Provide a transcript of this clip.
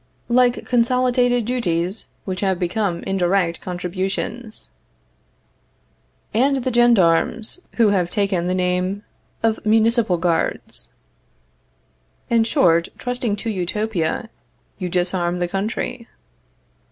Like consolidated duties, which have become indirect contributions. And the gendarmes, who have taken the name of municipal guards. In short, trusting to Utopia, you disarm the country.